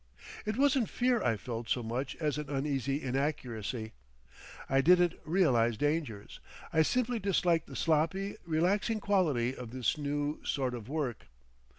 It wasn't fear I felt so much as an uneasy inaccuracy. I didn't realise dangers, I simply disliked the sloppy, relaxing quality of this new sort of work.